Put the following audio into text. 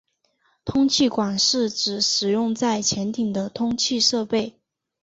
通气管是指使用在潜艇的通气设备。